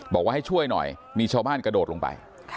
บอกว่าให้ช่วยหน่อยมีชาวบ้านกระโดดลงไป